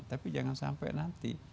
tapi jangan sampai nanti